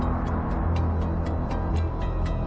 อืม